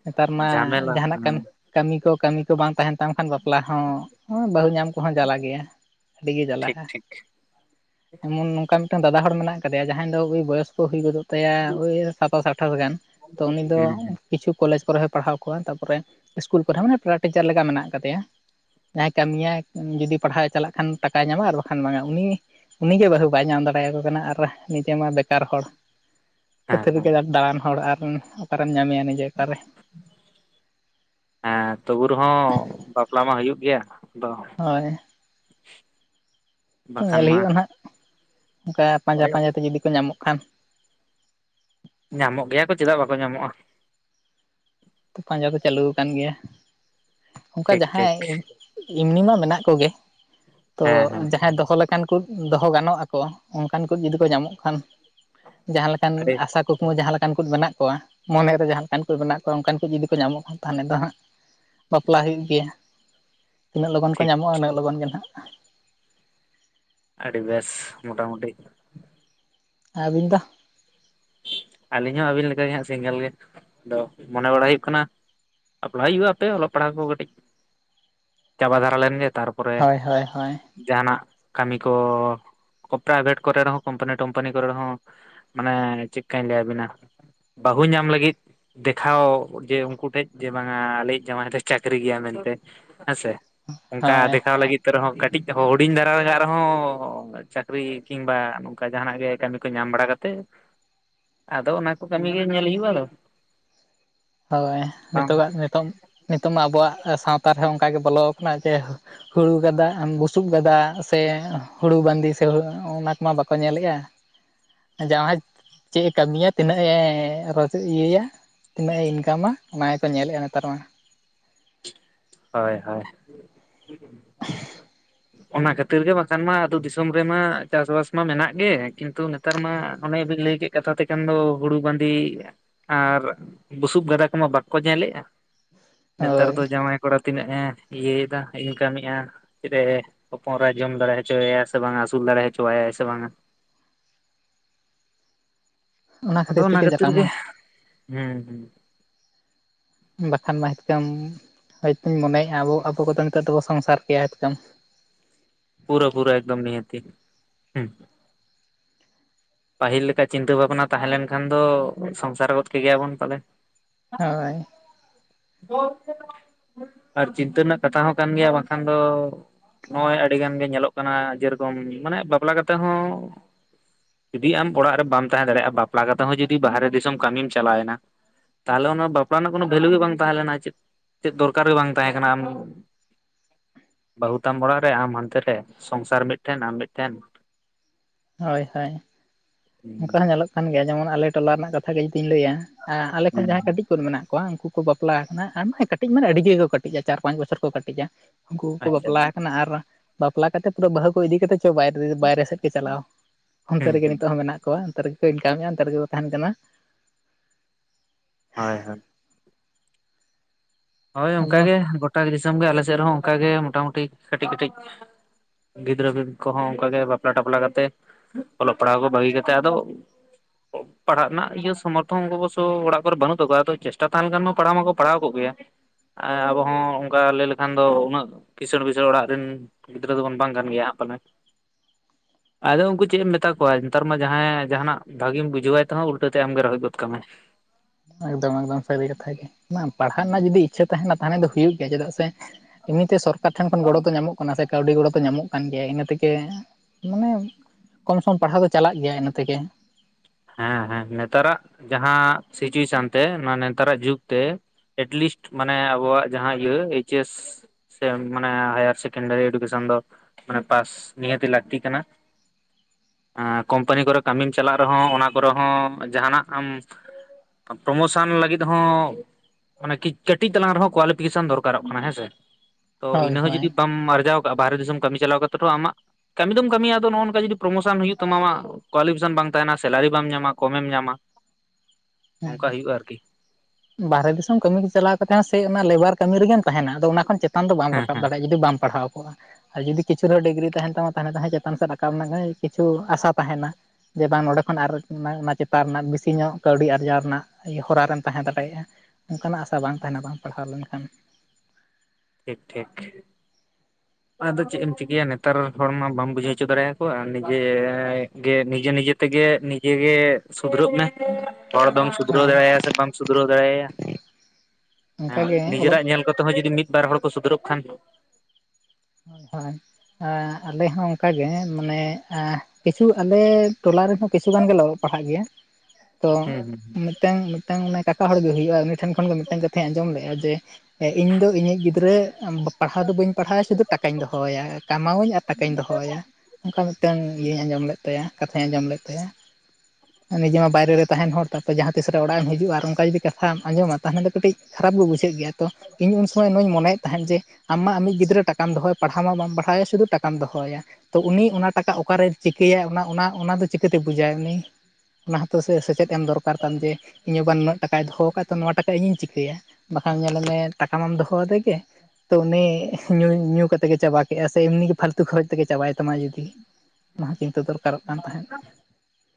ᱱᱮᱛᱟᱨ ᱢᱟ ᱡᱷᱟᱢᱮᱞᱟ ᱡᱟᱦᱟᱱᱟᱜ ᱦᱮᱸ ᱠᱟᱹᱢᱤ ᱠᱟᱹᱢᱤ ᱠᱚ ᱠᱟᱹᱢᱤ ᱠᱚ ᱵᱟᱝ ᱛᱟᱦᱮᱱ ᱛᱟᱢ ᱠᱷᱟᱱ ᱵᱟᱯᱞᱟ ᱦᱚᱸ ᱵᱟᱹᱦᱩ ᱧᱟᱢ ᱠᱚᱦᱚᱸ ᱡᱟᱞᱟ ᱜᱮᱭᱟ ᱟᱹᱰᱤ ᱜᱮ ᱴᱷᱤᱠ ᱡᱟᱞᱟᱼᱦᱟ᱾ ᱴᱷᱤᱠ ᱮᱢᱚᱱ ᱱᱚᱝᱠᱟ ᱢᱤᱫᱴᱟᱝ ᱫᱟᱫᱟ ᱦᱚᱲ ᱢᱮᱱᱟᱜ ᱠᱟᱫᱮᱭᱟ ᱡᱟᱦᱟᱸᱭ ᱫᱚ ᱩᱭ ᱵᱚᱭᱚᱥ ᱠᱚ ᱦᱩᱭ ᱜᱚᱫᱚᱜ ᱛᱟᱭᱟ ᱳᱭ ᱥᱟᱛᱟᱥ ᱟᱴᱷᱟᱥ ᱜᱟᱱ ᱛᱚ ᱩᱱᱤ ᱫᱚ ᱦᱩᱸ ᱦᱩᱸ ᱠᱤᱪᱷᱩ ᱠᱚᱞᱮᱡᱽ ᱠᱚᱨᱮ ᱦᱚᱸ ᱯᱟᱲᱦᱟᱣ ᱠᱚᱣᱟ ᱛᱟᱯᱚᱨᱮ ᱤᱥᱠᱩᱞ ᱠᱚᱨᱮ ᱦᱚᱸ ᱢᱟᱱᱮ ᱯᱨᱟ ᱴᱤᱪᱟᱨ ᱞᱮᱠᱟ ᱢᱮᱱᱟᱜ ᱠᱟᱫᱮᱭᱟ᱾ ᱡᱟᱦᱟᱸᱭ ᱠᱟᱹᱢᱤᱭᱟᱭ ᱡᱩᱫᱤ ᱯᱟᱲᱦᱟᱣ ᱮ ᱪᱟᱞᱟᱜ ᱠᱷᱟᱱ ᱴᱟᱠᱟᱭ ᱧᱟᱢᱟ ᱟᱨ ᱵᱟᱠᱷᱟᱱ ᱵᱟᱝᱟ ᱩᱱᱤ ᱩᱱᱤᱜᱮ ᱵᱟᱹᱦᱩ ᱵᱟᱭ ᱧᱟᱢ ᱫᱟᱲᱮᱭᱟᱠᱚ ᱠᱟᱱᱟ ᱟᱨ ᱱᱤᱡᱮ ᱢᱟ ᱵᱮᱠᱟᱨ ᱦᱚᱲ, ᱦᱮᱸ ᱦᱮᱸ ᱟᱹᱛᱷᱟᱹᱲᱤ ᱜᱮ ᱫᱟᱬᱟᱱ ᱦᱚᱲ ᱟᱨ ᱚᱠᱟᱨᱮᱢ ᱧᱟᱢᱮᱭᱟ ᱱᱤᱡᱮ ᱚᱠᱟᱨᱮ᱾ ᱦᱮᱸ ᱛᱚᱵᱩ ᱨᱮ ᱦᱚᱸ ᱵᱟᱯᱞᱟ ᱢᱟ ᱦᱩᱭᱩᱜ ᱜᱮᱭᱟ, ᱟᱫᱚ ᱦᱳᱭ, ᱛᱚ ᱵᱟᱠᱷᱟᱱ ᱧᱮᱞ ᱢᱟ ᱦᱩᱭᱩᱜᱼᱟ ᱱᱟᱦᱟᱜ, ᱚᱱᱠᱟ ᱯᱟᱸᱡᱟ ᱦᱳᱭ -ᱯᱟᱸᱡᱟ ᱛᱮ ᱡᱩᱫᱤ ᱠᱚ ᱧᱟᱢᱚᱜ ᱠᱷᱟᱱ᱾ ᱧᱟᱢᱚᱜ ᱜᱮᱭᱟ ᱠᱚ ᱪᱮᱫᱟᱜ ᱵᱟᱠᱚ ᱧᱟᱢᱚᱜᱼᱟ᱾ ᱛᱚ ᱯᱟᱸᱡᱟ ᱫᱚ ᱪᱟᱹᱞᱩ ᱟᱠᱟᱱ ᱜᱮᱭᱟ, ᱚᱱᱠᱟ ᱴᱷᱤᱠ ᱴᱷᱤᱠ ᱡᱟᱦᱟᱸᱭ ᱮᱢᱱᱤ ᱢᱟ ᱢᱮᱱᱟᱜ ᱠᱚᱜᱮ ᱛᱚ ᱦᱮᱸ ᱦᱮᱸ ᱡᱟᱦᱟᱸᱭ ᱫᱚᱦᱚ ᱞᱮ ᱠᱟᱱ ᱠᱚ ᱫᱚᱦᱚ ᱜᱟᱱᱚᱜ ᱟᱠᱚ ᱚᱱᱠᱟᱱ ᱠᱚ ᱡᱩᱫᱤ ᱠᱚ ᱧᱟᱢᱚᱜ ᱠᱷᱟᱱ, ᱡᱟᱦᱟᱸ ᱞᱮᱠᱟᱱ ᱟᱹᱰᱤ ᱟᱥᱟ ᱠᱩᱠᱢᱩ ᱡᱟᱦᱟᱸ ᱞᱮᱠᱟᱱ ᱠᱚ ᱢᱮᱱᱟᱜ ᱠᱚᱣᱟ, ᱢᱚᱱᱮᱨᱮ ᱡᱟᱦᱟᱸ ᱞᱮᱠᱟᱱ ᱠᱚ ᱢᱮᱱᱟᱜ ᱛᱳ ᱚᱱᱠᱟᱱ ᱠᱚ ᱡᱩᱫᱤ ᱠᱚ ᱧᱟᱢᱚᱜ ᱠᱷᱟᱱ ᱛᱟᱦᱚᱞᱮ ᱫᱚ ᱦᱟᱸᱜ ᱵᱟᱯᱞᱟ ᱦᱩᱭᱩᱜ ᱜᱮᱭᱟ᱾ ᱛᱤᱱᱟᱜ ᱞᱚᱜᱚᱱ ᱠᱚ ᱴᱷᱤᱠ ᱧᱟᱢᱚᱜᱼᱟ ᱩᱱᱟᱹᱜ ᱞᱚᱜᱚᱱ ᱜᱮ ᱱᱟᱜ᱾ ᱟᱹᱰᱤ ᱵᱮᱥ ᱢᱚᱴᱟᱢᱩᱴᱤ᱾ ᱟᱵᱤᱱ ᱫᱚ? ᱟᱹᱞᱤᱧ ᱦᱚᱸ ᱟᱹᱵᱤᱱ ᱞᱮᱠᱟ ᱜᱮ ᱦᱟᱸᱜ ᱥᱤᱝᱜᱮᱞ ᱜᱮ ᱟᱫᱚ ᱢᱚᱱᱮ ᱵᱟᱲᱟ ᱦᱩᱭᱩᱜ ᱠᱟᱱᱟ ᱞᱟ ᱦᱩᱭᱩᱜᱼᱟ ᱚᱞᱚᱜ ᱯᱟᱲᱦᱟᱣ ᱠᱚ ᱠᱟᱹᱴᱤᱡ ᱪᱟᱵᱟ ᱫᱷᱟᱨᱟ ᱞᱮᱱ ᱜᱮ ᱛᱟᱨ ᱦᱳᱭ ᱦᱳᱭ ᱦᱳᱭ᱾ ᱡᱟᱦᱟᱱᱟᱜ ᱠᱟᱹᱢᱤ ᱠᱚ ᱯᱨᱟᱭᱵᱷᱮᱴ ᱠᱚᱨᱮ ᱨᱮᱦᱚᱸ ᱠᱳᱢᱯᱟᱱᱤ ᱴᱚᱢᱯᱟᱱᱤ ᱠᱚ ᱨᱮᱦᱚᱸ ᱢᱟᱱᱮ ᱪᱮᱫᱠᱟᱧ ᱞᱟᱹᱭᱟᱵᱤᱱᱟ, ᱵᱟᱹᱦᱩ ᱧᱟᱢ ᱞᱟᱹᱜᱤᱫ ᱫᱮᱠᱷᱟᱣ ᱡᱮ ᱩᱱᱠᱩ ᱴᱷᱮᱡ ᱡᱮ ᱵᱟᱝᱟ ᱟᱞᱤᱡ ᱡᱟᱶᱟᱭ ᱫᱚ ᱪᱟᱹᱠᱨᱤ ᱜᱮᱭᱟ ᱢᱮᱱᱛᱮ᱾ ᱦᱮᱸᱥᱮ ᱚᱱᱠᱟ ᱦᱳᱭ ᱫᱮᱠᱷᱟᱣ ᱞᱟᱹᱜᱤᱫ ᱛᱮ ᱨᱮᱦᱚᱸ ᱠᱟᱹᱴᱤᱡ ᱦᱩᱰᱤᱧ ᱫᱷᱟᱨᱟ ᱨᱮᱦᱚᱸ ᱪᱟᱹᱠᱨᱤ ᱠᱤᱝᱵᱟ ᱱᱚᱝᱠᱟ ᱡᱟᱦᱱᱟᱜ ᱜᱮ ᱠᱟᱹᱢᱤ ᱠᱚ ᱧᱟᱢ ᱵᱟᱲᱟ ᱠᱟᱛᱮᱜ ᱟᱫᱚ ᱚᱱᱟ ᱠᱚ ᱠᱟᱹᱢᱤ ᱜᱮ ᱧᱮᱞ ᱦᱩᱭᱩᱜ-ᱟ ᱟᱫᱚ᱾ ᱦᱳᱭ ᱵᱟᱝ ᱱᱤᱛᱚᱜᱟᱜ ᱱᱤᱛᱚᱜ-ᱱᱤᱛᱚᱜ ᱢᱟ ᱟᱵᱚᱣᱟᱜ ᱥᱟᱶᱛᱟ ᱨᱮᱦᱚᱸ ᱚᱱᱠᱟ ᱜᱮ ᱵᱚᱞᱚᱣ ᱠᱟᱱᱟ ᱡᱮ ᱦᱩᱲᱩ ᱜᱟᱫᱟ, ᱵᱩᱥᱩᱵ ᱜᱟᱫᱟᱜ ᱥᱮ ᱦᱩᱲᱩ ᱵᱟᱸᱫᱮ ᱥᱮ ᱚᱱᱟ ᱠᱚᱢᱟ ᱵᱟᱠᱚ ᱧᱮᱜᱼᱟ᱾ ᱡᱟᱸᱣᱟᱭ ᱪᱮᱫ ᱮ ᱠᱟᱹᱢᱤᱭᱟ ᱛᱤᱱᱟᱹᱜ ᱮ ᱨᱚᱡ ᱤᱭᱟᱹᱭᱟ᱾ ᱛᱤᱱᱟᱹᱜ ᱮ ᱤᱱᱠᱟᱢᱟ ᱚᱱᱟ ᱜᱮᱠᱚ ᱧᱮᱞᱮᱜᱼᱟ ᱱᱮᱛᱟᱨ ᱢᱟ᱾ ᱦᱳᱭ ᱦᱳᱭ᱾ ᱚᱱᱟ ᱠᱷᱟᱹᱛᱤᱨ ᱜᱮ ᱵᱟᱠᱷᱟᱱ ᱢᱟ ᱟᱹᱛᱩ ᱫᱤᱥᱚᱢ ᱨᱮᱢᱟ ᱪᱟᱥᱵᱟᱥ ᱢᱟ ᱢᱮᱱᱟᱜ ᱜᱮ᱾ ᱠᱤᱱᱛᱩ ᱱᱮᱛᱟᱨ ᱢᱟ ᱚᱱᱮᱵᱤᱱ ᱞᱟᱹᱭ ᱠᱮᱜ ᱠᱟᱛᱷᱟ ᱛᱮᱠᱟᱱ ᱫᱚ ᱦᱩᱲᱩ ᱵᱟᱸᱫᱤ ᱟᱨ ᱵᱩᱥᱩᱵ ᱜᱟᱫᱟ ᱠᱚᱢᱟ ᱵᱟᱠᱚ ᱧᱮᱞᱮᱜᱼᱟ, ᱱᱮᱛᱟᱨ ᱦᱳᱭ ᱫᱚ ᱡᱟᱣᱟᱸᱭ ᱠᱚᱲᱟ ᱛᱤᱱᱟᱹᱜ ᱮ ᱤᱭᱟᱹᱭᱫᱟ ᱤᱱᱠᱟᱹᱢᱮᱜ-ᱟ ᱾ ᱨᱮ ᱦᱚᱯᱚᱱᱨᱟᱭ ᱡᱚᱢ ᱫᱟᱲᱮ ᱦᱚᱪᱚᱣᱟᱭ ᱥᱮ ᱵᱟᱝᱟ ᱟᱹᱥᱩᱞ ᱫᱟᱲᱮ ᱦᱚᱪᱚᱣᱟᱭ ᱥᱮ ᱵᱟᱝᱟ᱾ ᱟᱫᱚ ᱚᱱᱟ ᱠᱷᱟᱹᱛᱤᱨ ᱜᱮ, ᱦᱩᱸ ᱦᱩᱸ ᱾ ᱵᱟᱠᱷᱟᱱ ᱢᱟᱛᱠᱟᱹᱢ ᱦᱚᱭᱛᱚᱧ ᱢᱚᱱᱮᱭᱼᱟ ᱟᱵᱚ- ᱟᱵᱚ ᱱᱤᱛᱚᱜ ᱫᱚᱵᱚ ᱥᱚᱝᱥᱟᱨ ᱠᱮᱜᱼᱟ ᱮᱠᱫᱚᱢ᱾ ᱯᱩᱨᱟᱹ-ᱯᱩᱨᱟᱹ ᱮᱠᱫᱚᱢ ᱱᱤᱦᱟᱹᱛᱤ ᱦᱩᱸ᱾ ᱯᱟᱹᱦᱤᱞ ᱞᱮᱠᱟ ᱪᱤᱱᱛᱟᱹ ᱵᱷᱟᱵᱱᱟ ᱛᱟᱦᱮᱸ ᱞᱮᱱ ᱠᱷᱟᱱ ᱫᱚ ᱥᱚᱝᱥᱟᱨ ᱜᱚᱫ ᱠᱮᱫᱮᱭᱟᱵᱚᱱ ᱯᱟᱞᱮᱜ᱾ ᱦᱳᱭ᱾ ᱟᱨ ᱪᱤᱱᱛᱟᱹ ᱨᱮᱱᱟᱜ ᱠᱟᱛᱷᱟ ᱦᱚᱸ ᱠᱟᱱ ᱜᱮᱭᱟ ᱵᱟᱠᱷᱟᱱ ᱫᱚ ᱱᱚᱜᱼᱚᱭ ᱟᱹᱰᱤ ᱜᱟᱱ ᱜᱮ ᱧᱮᱞᱚᱜ ᱠᱟᱱᱟ ᱡᱮᱨᱠᱚᱢ ᱢᱟᱱᱮ ᱵᱟᱯᱞᱟ ᱠᱟᱛᱮ ᱦᱚᱸ ᱡᱩᱫᱤ ᱟᱢ ᱚᱲᱟᱜ ᱨᱮ ᱵᱟᱢ ᱛᱟᱦᱮᱸ ᱫᱟᱲᱮᱭᱟᱜᱼᱟ ᱵᱟᱯᱞᱟ ᱠᱟᱛᱮ ᱦᱚᱸ ᱡᱩᱫᱤ ᱵᱟᱦᱨᱮ ᱫᱤᱥᱚᱢ ᱠᱟᱹᱢᱤᱢ ᱪᱟᱞᱟᱣᱮᱱᱟ ᱛᱟᱦᱚᱞ ᱚᱱᱟ ᱵᱟᱯᱞᱟ ᱨᱮᱱᱟᱜ ᱠᱳᱱᱳ ᱵᱷᱮᱞᱩ ᱜᱮ ᱵᱟᱝ ᱛᱟᱦᱮᱸ ᱞᱮᱱᱟ ᱪᱮᱫ ᱪᱮᱫ ᱫᱚᱨᱠᱟᱨ ᱜᱮ ᱵᱟᱝ ᱛᱟᱦᱮᱸ ᱠᱟᱱᱟ ᱟᱢ ᱵᱟᱹᱦᱩ ᱛᱟᱢ ᱚᱲᱟᱜ ᱨᱮ ᱟᱢ ᱦᱟᱱᱛᱮ ᱨᱮ ᱥᱚᱝᱥᱟᱨ ᱢᱤᱫᱴᱷᱮᱱ ᱟᱢ ᱢᱤᱫᱴᱷᱮᱱ ᱦᱳᱭ ᱦᱳᱭ ᱦᱩᱸ ᱚᱱᱠᱟ ᱦᱚᱸ ᱧᱮᱞᱚᱜ ᱠᱟᱱ ᱜᱮᱭᱟ ᱡᱮᱢᱚᱱ ᱟᱞᱮ ᱴᱚᱞᱟ ᱨᱮᱱᱟᱜ ᱠᱟᱛᱷᱟ ᱜᱮ ᱡᱩᱫᱤᱧ ᱞᱟᱹᱭᱟ ᱟ ᱟᱞᱮ ᱦᱩᱸ ᱠᱷᱚᱱ ᱡᱟᱦᱟᱸ ᱠᱟᱹᱴᱤᱡ ᱢᱮᱱᱟᱜ ᱠᱚᱣᱟ ᱩᱱᱠᱩ ᱠᱚ ᱵᱟᱯᱞᱟ ᱟᱠᱟᱱᱟ ᱟᱨ ᱢᱮᱱᱟᱜ ᱠᱚᱣᱟ ᱠᱟᱹᱴᱤᱡ ᱢᱟᱱᱮ ᱟᱹᱰᱤ ᱜᱮ ᱠᱚ ᱠᱟᱹᱴᱤᱡᱼᱟ ᱪᱟᱨ ᱯᱟᱸᱪ ᱵᱚᱪᱷᱚᱨ ᱠᱚ ᱠᱟᱹᱴᱤᱡ-ᱟ᱾ ᱩᱱᱠᱩ ᱠᱚᱠᱚ ᱟᱪᱪᱷᱟ ᱵᱟᱯᱞᱟ ᱟᱪᱪᱷᱟ ᱟᱠᱟᱱᱟ ᱟᱨ ᱵᱟᱯᱞᱟ ᱠᱟᱛᱮᱫ ᱯᱩᱨᱟᱹ ᱵᱟᱹᱦᱩ ᱠᱚ ᱤᱫᱤ ᱠᱟᱛᱮᱫ ᱪᱚ ᱵᱟᱭᱨᱮ ᱵᱟᱭᱨᱮ ᱥᱮᱫ ᱠᱚ ᱪᱟᱞᱟᱣ᱾ ᱚᱱᱛᱮ ᱦᱩᱸ ᱨᱮᱜᱮ ᱦᱩᱸ ᱱᱤᱛᱚᱜ ᱦᱚᱸ ᱢᱮᱱᱟᱜ ᱠᱚᱣᱟ ᱚᱱᱛᱮ ᱨᱮᱜᱮ ᱤᱱᱠᱟᱢᱮᱫᱼᱟ ᱚᱱᱛᱮ ᱨᱮᱜᱮ ᱠᱚ ᱛᱟᱦᱮᱱ ᱠᱟᱱᱟ᱾ ᱦᱳᱭ ᱦᱳᱭ᱾ ᱦᱳᱭ ᱚᱱᱠᱟ ᱟᱫᱚ ᱜᱮ ᱜᱚᱴᱟ ᱫᱤᱥᱚᱢ ᱜᱮ ᱟᱞᱮ ᱥᱮᱫ ᱨᱮᱦᱚᱸ ᱚᱱᱠᱟᱜᱮ ᱢᱚᱴᱟᱢᱩᱴᱤ ᱠᱟᱹᱴᱤᱡ ᱠᱟᱹᱴᱤᱡ ᱜᱤᱫᱽᱨᱟᱹ ᱠᱚᱦᱚᱸ ᱚᱱᱠᱟᱜ ᱜᱮ ᱵᱟᱯᱞᱟ ᱴᱟᱯᱞᱟ ᱠᱟᱛᱮᱫ ᱚᱞᱚᱜ ᱯᱟᱲᱦᱟᱹᱣ ᱠᱚ ᱵᱟᱹᱜᱤ ᱠᱟᱛᱮᱜ ᱟᱫᱚ ᱯᱟᱲᱦᱟᱜ ᱨᱮᱱᱟᱜ ᱤᱭᱟᱹ ᱥᱚᱢᱚᱨᱛᱷᱚᱱ ᱩᱱᱠᱩ ᱚᱵᱚᱥᱥᱚ ᱚᱲᱟᱜ ᱠᱚᱨᱮ ᱵᱟᱹᱱᱩᱜ ᱛᱟᱠᱚᱣᱟ ᱟᱫᱚ ᱪᱮᱥᱴᱟ ᱛᱟᱦᱮ ᱞᱮᱱ ᱠᱷᱟᱱ ᱢᱟ ᱯᱟᱲᱦᱟᱣ ᱢᱟᱠᱚ ᱯᱟᱲᱦᱟᱣ ᱠᱚᱜ ᱜᱮᱭᱟ᱾ ᱮ ᱟᱵᱚ ᱦᱚᱸ ᱚᱱᱠᱟ ᱞᱟᱹᱭ ᱞᱮᱠᱷᱟᱱ ᱫᱚ ᱩᱱᱟᱹᱜ ᱠᱤᱥᱟᱹᱬ ᱵᱤᱥᱟᱹᱲ ᱚᱲᱟᱜ ᱨᱮᱱ ᱜᱤᱫᱽᱨᱟᱹ ᱫᱚᱵᱚᱱ ᱵᱟᱝ ᱠᱟᱱ ᱜᱮᱭᱟ ᱯᱟᱞᱮ᱾ ᱟᱫᱚ ᱩᱱᱠᱩ ᱪᱮᱫ ᱮᱢ ᱢᱮᱛᱟ ᱠᱚᱣᱟ ᱱᱮᱛᱟᱨ ᱢᱟ ᱡᱟᱦᱟᱸᱭ ᱡᱟᱦᱟᱱᱟᱜ ᱵᱷᱟᱜᱮᱢ ᱵᱷᱟᱜᱤᱢ ᱵᱩᱡᱷᱟᱹᱣᱟᱭ ᱛᱮᱦᱚᱸ ᱩᱞᱴᱟᱹ ᱛᱮ ᱟᱢᱜᱮᱭ ᱨᱚᱦᱮᱫ ᱜᱚᱫ ᱠᱟᱢᱟᱭ᱾ ᱮᱠᱫᱚᱢ ᱮᱠᱫᱚᱢ ᱥᱟᱹᱨᱤ ᱠᱟᱛᱷᱟ ᱜᱮ ᱵᱟᱝ ᱯᱟᱲᱦᱟᱜ ᱨᱮᱱᱟᱜ ᱡᱩᱫᱤ ᱤᱪᱪᱷᱟᱹ ᱛᱟᱦᱮᱱᱟ ᱛᱟᱦᱚᱞᱮ ᱫᱚ ᱦᱩᱭᱩᱜ ᱜᱮᱭᱟ ᱪᱮᱫᱟᱜ ᱥᱮ ᱮᱢᱱᱤᱛᱮ ᱥᱚᱨᱠᱟᱨ ᱴᱷᱮᱱ ᱠᱷᱚᱱ ᱜᱚᱲᱚ ᱛᱚ ᱧᱟᱢᱚᱜ ᱚᱱᱟ ᱥᱮ ᱠᱟᱹᱣᱰᱤ ᱜᱚᱲᱚ ᱫᱚ ᱧᱟᱢᱚᱜ ᱠᱟᱱ ᱜᱮᱭᱟ ᱤᱱᱟᱹ ᱛᱮᱜᱮ ᱢᱟᱱᱮ ᱠᱚᱢ ᱥᱚᱢ ᱯᱟᱲᱦᱟᱣ ᱫᱚ ᱪᱟᱞᱟᱜ ᱜᱮᱭᱟ ᱤᱱᱟᱹ ᱛᱮᱜᱮ ᱦᱮᱸ ᱦᱮᱸ ᱱᱮᱛᱟᱨᱟᱜ ᱡᱟᱦᱟᱸ ᱥᱤᱪᱩᱭᱮᱥᱚᱱ ᱛᱮ ᱚᱱᱟ ᱱᱮᱛᱟᱨᱟᱜ ᱡᱩᱜᱽ ᱛᱮ ᱮᱴᱞᱤᱥᱴ ᱢᱟᱱᱮ ᱟᱵᱚᱣᱟᱜ ᱡᱟᱦᱟᱸ ᱤᱭᱟᱹ ᱮᱭᱤᱪ-ᱮᱥ ᱥᱮ ᱢᱟᱱᱮ ᱦᱟᱭᱟᱨ ᱥᱮᱠᱮᱱᱰᱟᱨᱤ ᱮᱰᱩᱜᱮᱥᱚᱱ ᱫᱚ ᱢᱟᱱᱮ ᱯᱟᱥ ᱱᱤᱦᱟᱹᱛᱤ ᱞᱟᱹᱠᱛᱤ ᱠᱟᱱᱟ᱾ ᱠᱳᱢᱯᱟᱱᱤ ᱠᱚᱨᱮ ᱠᱟᱹᱢᱤᱢ ᱪᱟᱞᱟᱜ ᱨᱮᱦᱚᱸ ᱚᱱᱟ ᱠᱚᱨᱮ ᱦᱚᱸ ᱡᱟᱦᱟᱱᱟᱜ ᱟᱢ ᱯᱨᱳᱢᱳᱥᱚᱱ ᱞᱟᱹᱜᱤᱫ ᱦᱚᱸ ᱚᱱᱮ ᱠᱤᱡ ᱠᱟᱹᱴᱤᱡ ᱪᱚᱞᱟᱝ ᱨᱮᱦᱚᱸ ᱠᱳᱣᱟᱞᱤᱯᱷᱤᱠᱮᱥᱚᱱ ᱫᱚᱨᱠᱟᱨᱚᱜ ᱠᱟᱱᱟ ᱦᱮᱸᱥᱮ ᱛᱚ ᱦᱳᱭ ᱤᱱᱟᱹ ᱦᱚᱸ ᱦᱳᱭ ᱡᱩᱫᱤ ᱵᱟᱢ ᱟᱨᱡᱟᱣ ᱵᱟᱦᱨᱮ ᱫᱤᱥᱚᱢ ᱠᱟᱹᱢᱤ ᱪᱟᱞᱟᱣ ᱠᱟᱛᱮ ᱨᱮᱦᱚᱸ ᱟᱢᱟᱜ ᱠᱟᱹᱢᱤ ᱫᱚᱢ ᱠᱟ. ᱢᱤᱭᱟ ᱟᱫᱚ ᱱᱚᱜᱼᱚ ᱱᱚᱠᱟ ᱡᱩᱫᱤ ᱯᱨᱳᱢᱳᱥᱚᱱ ᱦᱩᱭᱩᱜ ᱛᱟᱢᱟ ᱟᱢᱟᱜ ᱠᱚᱳᱣᱟᱞᱤᱯᱷᱮᱥᱚᱱ ᱵᱟᱝ ᱛᱟᱦᱮᱱᱟ ᱥᱮᱞᱟᱨᱤ ᱵᱟᱢ ᱧᱟᱢᱟ ᱠᱚᱢᱮᱢ ᱧᱟᱢᱟ᱾ ᱱᱚᱝᱠᱟ ᱦᱮᱸ᱾ ᱦᱩᱭᱩᱜᱼᱟ ᱟᱨᱠᱤ ᱵᱟᱨᱦᱮ ᱫᱤᱥᱚᱢ ᱠᱟᱹᱢᱤ ᱜᱮ ᱪᱟᱞᱟᱣ ᱠᱟᱛᱮ ᱦᱚᱸ ᱥᱮ ᱚᱱᱟ ᱞᱮᱵᱟᱨ ᱠᱟᱹᱢᱤ ᱨᱮᱜᱮᱢ ᱛᱟᱦᱮᱱᱟ ᱟᱫᱚ ᱚᱱᱟ ᱠᱷᱚᱱ ᱪᱮᱛᱟ ᱛᱟᱱ ᱫᱚ ᱵᱟᱢ ᱦᱮᱸ ᱨᱟᱵᱟᱵ ᱦᱮᱸ ᱫᱟᱲᱮᱭᱟᱜᱼᱟ ᱡᱩᱫᱤ ᱵᱟᱢ ᱯᱟᱲᱦᱟᱣ ᱠᱚᱜᱼᱟ᱾ ᱟᱨ ᱡᱩᱫᱤ ᱠᱤᱪᱷᱩ ᱨᱮᱦᱚᱸᱰᱤᱜᱽᱨᱤ ᱛᱟᱦᱮᱱ ᱛᱟᱢᱟ ᱛᱟᱦᱚᱞᱮ ᱛᱚ ᱪᱮᱛᱟᱱ ᱥᱮᱫ ᱨᱟᱠᱟᱵ ᱨᱮᱱᱟᱜ ᱠᱤᱪᱷᱩ ᱟᱥᱟ ᱛᱟᱦᱮᱱᱟ᱾ ᱡᱮ ᱵᱟᱝ ᱱᱚᱰᱮ ᱠᱷᱚᱱ ᱟᱨ ᱚᱱᱟ ᱪᱮᱛᱟᱱ ᱨᱮᱱᱟᱜ ᱵᱤᱥᱤ ᱧᱚᱜ ᱠᱟᱹᱣᱰᱤ ᱟᱨ ᱟᱨᱡᱟᱣ ᱨᱮᱱᱟᱜ ᱤᱭᱟᱹ ᱦᱚᱨᱟ ᱨᱮᱢ ᱛᱟᱦᱮᱸ ᱫᱟᱲᱮᱭᱟᱜᱼᱟ ᱚᱱᱠᱟᱱᱟᱜ ᱟᱥᱟ ᱵᱟᱝ ᱛᱟᱦᱮᱱᱟ ᱵᱟᱝ ᱯᱟᱲᱦᱟᱣ ᱞᱮᱱᱠᱷᱟᱱ ᱴᱷᱤᱠ ᱴᱷᱤᱠ᱾ ᱟᱫᱚ ᱪᱮᱫ ᱮᱢ ᱪᱤᱠᱟᱹᱭᱟ ᱱᱮᱛᱟᱨ ᱦᱚᱲ ᱢᱟ ᱵᱟᱢ ᱵᱩᱡᱷᱟᱹᱣ ᱦᱚᱪᱚ ᱫᱟᱲᱮᱭᱟᱠᱚᱣᱟ ᱱᱤᱡᱮ ᱜᱮ ᱱᱤᱡᱮ ᱱᱤᱡᱮ ᱛᱮᱜᱮ ᱱᱤᱡᱮ ᱜᱮ ᱥᱩᱫᱷᱨᱟᱹᱜ ᱢᱮ᱾ ᱦᱚᱲ ᱫᱚᱢ ᱥᱩᱫᱷᱨᱟᱹᱣ ᱦᱚᱸ ᱫᱟᱲᱮᱟᱭ ᱥᱮ ᱵᱟᱢ ᱥᱩᱫᱷᱨᱟᱹᱣ ᱫᱟᱲᱮᱭᱟᱭᱟ ᱦᱮᱸ ᱚᱱᱠᱟᱜᱮ ᱚᱞᱚᱜ ᱱᱤᱡᱮᱨᱟᱜ ᱧᱮᱞ ᱠᱚᱛᱮ ᱦᱚᱸ ᱡᱩᱫᱤ ᱢᱤᱫ ᱵᱟᱨ ᱦᱚᱲ ᱠᱚ ᱥᱩᱫᱷᱟᱹᱨᱚᱜ ᱠᱷᱟᱱ᱾ ᱦᱚᱭ, ᱟ ᱟᱞᱮ ᱦᱚᱸ ᱚᱱᱠᱟᱜᱮ ᱢᱟᱱᱮ ᱟ ᱠᱤᱪᱷᱩ ᱟᱞᱮ ᱴᱚᱞᱟ ᱨᱮᱦᱚᱸ ᱠᱤᱪᱷᱩ ᱜᱟᱱ ᱜᱮᱞᱮ ᱚᱞᱳᱜ ᱯᱟᱲᱦᱟᱜ ᱜᱮᱭᱟ᱾ ᱛᱚ- ᱦᱩᱸ ᱦᱩᱸ ᱢᱤᱫᱴᱟᱝ ᱢᱤᱫᱴᱟᱝ ᱚᱱᱮ ᱠᱟᱠᱟ ᱦᱚᱲ ᱜᱮ ᱦᱩᱭᱩᱜᱼᱟᱭ ᱩᱱᱤ ᱴᱷᱮᱱ ᱠᱷᱚᱱᱜᱮ ᱢᱤᱫᱴᱟᱝ ᱠᱟᱛᱷᱟᱧ ᱟᱸᱡᱚᱢ ᱞᱮᱜᱼᱟ ᱡᱮ ᱤᱧ ᱫᱚ ᱤᱧᱟᱹᱜ ᱜᱤᱫᱽᱨᱟᱹ ᱯᱟᱲᱦᱟᱣ ᱫᱚ ᱵᱟᱹᱧ ᱯᱟᱲᱦᱟᱣ ᱮᱭᱟ ᱥᱩᱫᱩ ᱴᱟᱠᱟᱧ ᱫᱚᱦᱚ ᱟᱭᱟ, ᱠᱟᱢᱟᱣᱟᱹᱧ ᱟᱨ ᱴᱟᱠᱟᱧ ᱫᱚᱦᱚ ᱟᱭᱟ᱾ ᱚᱱᱠᱟ ᱢᱤᱫᱴᱮᱱ ᱤᱭᱟᱹᱧ ᱟᱸᱡᱚᱢ ᱞᱮᱫ ᱛᱟᱭᱟ ᱠᱟᱛᱷᱟᱧ ᱟᱸᱡᱚᱢ ᱞᱮᱫ ᱛᱟᱭᱟ᱾ ᱱᱤᱡᱮ ᱢᱟ ᱵᱟᱭᱨᱮ ᱨᱮ ᱛᱟᱦᱮᱱ ᱦᱚᱲ ᱛᱟᱯᱚᱨ ᱡᱟᱦᱟᱸ ᱛᱤᱥ ᱨᱮ ᱚᱲᱟᱜ ᱮᱢ ᱦᱤᱡᱩᱜ-ᱟ ᱟᱨ ᱳᱱᱠᱟ ᱡᱩᱫᱤ ᱠᱟᱛᱷᱟᱢ ᱟᱸᱡᱚᱢᱟ ᱛᱟᱦᱱᱮ ᱫᱚ ᱠᱟᱹᱴᱤᱡ ᱠᱷᱟᱨᱟᱯ ᱜᱮ ᱵᱩᱡᱷᱟᱹᱜ ᱜᱮᱭᱟ ᱛᱚ, ᱤᱧ ᱩᱱ ᱥᱚᱢᱚᱭ ᱱᱚᱣᱟᱧ ᱢᱚᱱᱮᱭᱮᱫ ᱛᱟᱦᱮᱸᱫ ᱡᱮ ᱟᱢ ᱢᱟ ᱟᱢᱤᱡᱽ ᱜᱤᱫᱽᱨᱟᱹ ᱴᱟᱠᱟ ᱴᱟᱠᱟᱢ ᱫᱚᱦᱚᱭᱟ ᱯᱟᱲᱦᱟᱣ ᱢᱟ ᱵᱟᱢ ᱯᱟᱲᱦᱟᱣ ᱮᱭᱟ ᱥᱩᱫᱩ ᱴᱟᱠᱟᱢ ᱫᱚᱦᱚᱭᱟ᱾ ᱛᱚ ᱩᱱᱤ ᱚᱱᱟ ᱴᱟᱠᱟ ᱚᱠᱟ ᱨᱮᱭ ᱪᱤᱠᱟᱹᱭᱟᱭ ᱚᱱᱟ ᱫᱚ ᱪᱤᱠᱟᱹᱛᱮᱭ ᱵᱩᱡᱟᱭ ᱩᱱᱤ? ᱚᱱᱟ ᱦᱚᱛᱚ ᱥᱮ ᱥᱮᱪᱮᱫ ᱮᱢ ᱫᱚᱨᱠᱟᱨ ᱛᱟᱢ ᱡᱮ ᱤᱧ ᱦᱚᱸ ᱜᱟᱱ ᱩᱱᱟᱹᱜ ᱴᱟᱠᱟᱭ ᱫᱚᱦᱚ ᱟᱠᱟᱫ ᱛᱚ ᱱᱚᱣᱟ ᱴᱟᱠᱟ ᱤᱧᱤᱧ ᱪᱤᱠᱟᱹᱭᱟ ᱵᱟᱠᱷᱟᱱ ᱧᱮᱞᱮᱢᱮ ᱴᱟᱠᱟ ᱢᱟᱢ ᱫᱚᱦᱚ ᱟᱫᱮᱼᱼ ᱛᱚ ᱩᱱᱤ ᱧᱩᱼᱼ ᱧᱩ ᱠᱟᱛᱮ ᱜᱮ ᱪᱟᱵᱟ ᱠᱮᱫᱼᱟ, ᱥᱮ ᱮᱢᱱᱤ ᱯᱷᱟᱞᱛᱩ ᱠᱷᱚᱨᱚᱪ ᱛᱮᱜᱮ ᱪᱟᱵᱟᱭ ᱛᱟᱢᱟ ᱡᱩᱫᱤᱼᱼ ᱚᱱᱟ ᱦᱚᱸ ᱪᱤᱱᱛᱟᱹ ᱫᱚᱨᱠᱟᱨᱚᱜ ᱠᱟᱱ ᱛᱟᱦᱮᱸᱫ ᱾